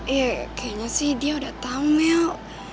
iya kayaknya sih dia udah tau mel